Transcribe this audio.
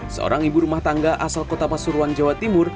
seorang ibu rumah tangga asal kota pasuruan jawa timur